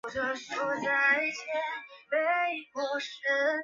大部分现代衬线体的可读性不及旧体和过渡体衬线体。